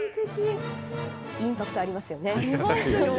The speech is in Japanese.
インパクトありますよね。